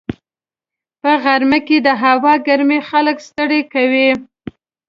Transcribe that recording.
په غرمه کې د هوا ګرمي خلک ستړي کوي